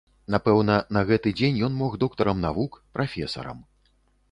Напэўна, на гэты дзень ён мог доктарам навук, прафесарам.